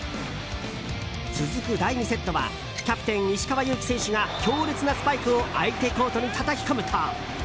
続く第２セットはキャプテン石川祐希選手が強烈なスパイクを相手コートにたたき込むと